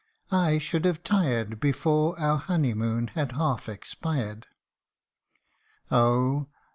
I should have tired Before our honey moon had half expired. Oh